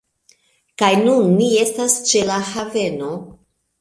Kaj nun ni estas ĉe la haveno